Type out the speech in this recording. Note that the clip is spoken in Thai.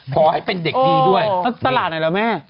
ขอให้เป็นเด็กดีด้วยตลาดไหนเหรอแม่